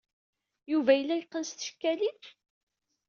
Yuba yella yeqqen s tcekkalin?